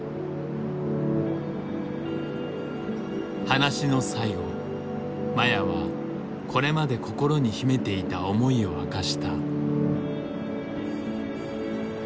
話の最後麻也はこれまで心に秘めていた思いを明かした。